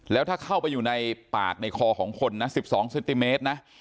แล้วถ้าเข้าไปอยู่ในปากในคอของคนนะ๑๒เซนติเมตรนะ